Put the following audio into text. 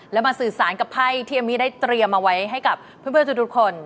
แล้วมาสื่อสารกับไพ่ที่เอมมี่ได้เตรียมเอาไว้ให้กับเพื่อนทุกคน